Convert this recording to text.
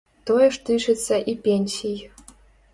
Тое ж тычыцца і пенсій.